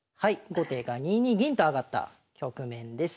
後手が２二銀と上がった局面です。